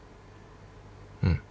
うん。